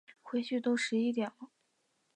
回去都十一点了